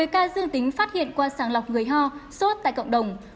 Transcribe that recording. một mươi ca dương tính phát hiện qua sàng lọc người ho sốt tại cộng đồng